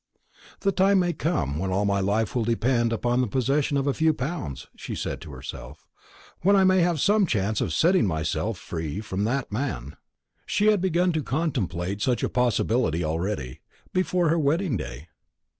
"The time may come when all my life will depend upon the possession of a few pounds," she said to herself; "when I may have some chance of setting myself free from that man." She had begun to contemplate such a possibility already, before her wedding day.